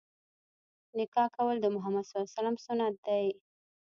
نکاح کول د مُحَمَّد ﷺ سنت دی.